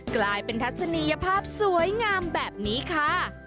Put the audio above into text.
กลายเป็นทัศนียภาพสวยงามแบบนี้ค่ะ